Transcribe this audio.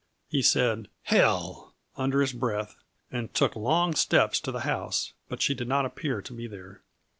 He said "Hell!" under his breath, and took long steps to the house, but she did not appear to be there.